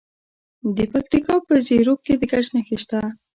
د پکتیکا په زیروک کې د ګچ نښې شته.